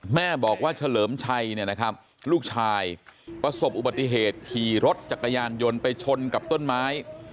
แม่บอกว่าเฉลิมชัยเนี่ยนะครับลูกชายประสบอุบัติเหตุขี่รถจักรยานยนต์ไปชนกับต้นไม้